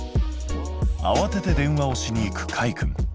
あわてて電話をしに行くかいくん。